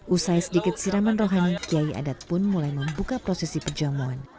usai sedikit siraman rohani kiai adat pun mulai membuka prosesi perjamuan